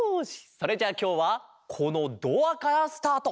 それじゃあきょうはこのドアからスタート。